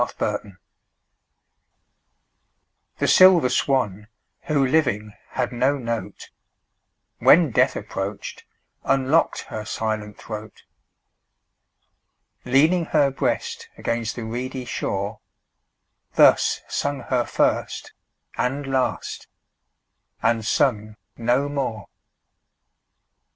6 Autoplay The silver swan, who living had no note, When death approach'd, unlock'd her silent throat; Leaning her breast against the reedy shore, Thus sung her first and last, and sung no more.